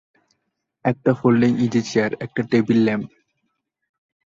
একটা folding easy chair, একটা table lamp.